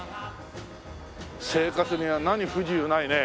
生活には何不自由ないね。